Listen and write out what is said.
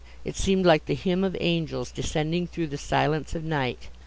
it seemed like the hymn of angels descending through the silence of night!